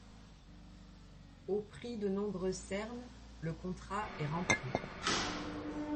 Au prix de nombreux cernes, le contrat est rempli.